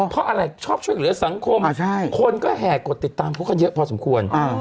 เพราะอะไรชอบช่วยเหลือสังคมคนก็แห่กดติดตามเขากันเยอะพอสมควร